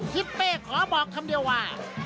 ทิศเป้ขอบอกคำเดียวว่า